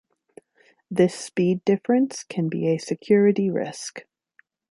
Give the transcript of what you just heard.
This speed difference can be a security risk.